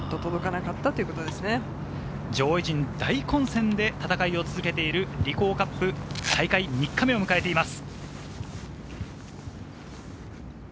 上位陣、大混戦で戦いを続けているリコーカップ大会３日目を迎えています。